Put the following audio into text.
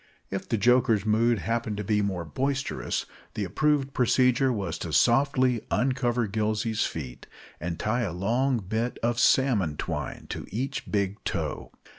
If the joker's mood happened to be more boisterous, the approved procedure was to softly uncover Gillsey's feet, and tie a long bit of salmon twine to each big toe.